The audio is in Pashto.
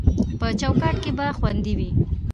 په چوکاټ کې به خوندي وي